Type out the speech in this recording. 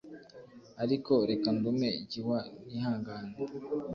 Ariko reka ndume gihwa nihangane;